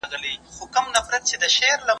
د خصوصي ښوونځیو فعالیت په پخوا کي دومره پراخ نه و.